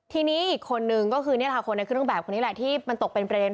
ทีนี้อีกคนนึงก็คือนี่แหละค่ะคนในเครื่องแบบคนนี้แหละที่มันตกเป็นประเด็น